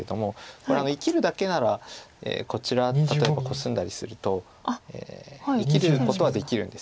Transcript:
これ生きるだけならこちら例えばコスんだりすると生きることはできるんです。